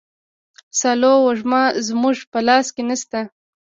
سالو وږمه زموږ په لاس کي نسته.